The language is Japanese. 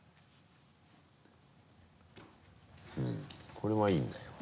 これはいいんだよ。